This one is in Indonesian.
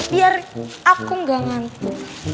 biar aku gak ngantuk